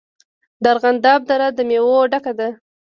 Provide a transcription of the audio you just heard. د ارغنداب دره د میوو ډکه ده.